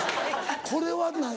これは何？